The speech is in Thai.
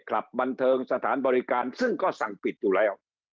บันเทิงสถานบริการซึ่งก็สั่งปิดอยู่แล้ว